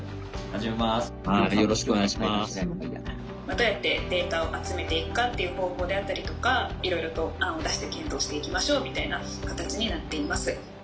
「どうやってデータを集めていくかっていう方法であったりとかいろいろと案を出して検討していきましょうみたいな形になっています」。